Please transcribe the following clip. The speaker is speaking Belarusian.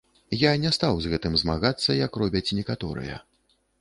Я не стаў з гэтым змагацца, як робяць некаторыя.